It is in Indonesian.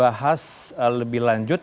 apakah akan dibahas lebih lanjut